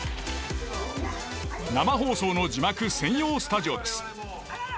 生放送の字幕専用スタジオです。